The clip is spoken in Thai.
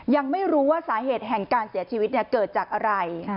ยังไม่รู้ว่าสาเหตุแห่งการเสียชีวิตเกิดจากอะไร